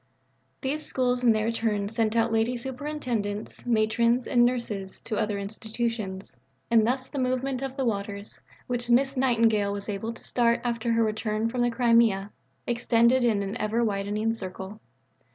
These Schools in their turn sent out Lady Superintendents, Matrons, and nurses to other institutions, and thus the movement of the waters, which Miss Nightingale was able to start after her return from the Crimea, extended in an ever widening circle.